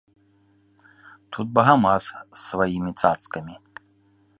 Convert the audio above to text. Тут багамаз з сваімі цацкамі.